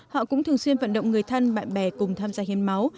họ cũng thường xuyên vận động người thân bạn bè cùng tham gia hiến máu